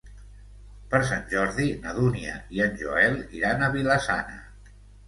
Per Sant Jordi na Dúnia i en Joel iran a Vila-sana.